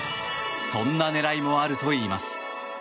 そんな狙いもあるといいます。